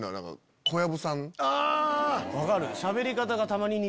分かる！